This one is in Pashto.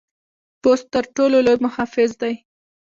پوست تر ټر ټولو لوی محافظ دی.